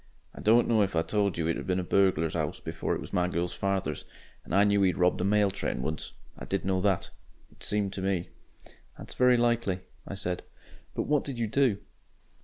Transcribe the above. "I don't know if I told you it'd been a burglar's 'ouse before it was my girl's father's, and I knew 'e'd robbed a mail train once, I did know that. It seemed to me " "That's very likely," I said. "But what did you do?"